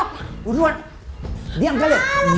buruan diam kalian